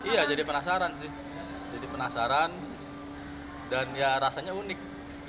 iya jadi penasaran sih jadi penasaran dan ya rasanya unik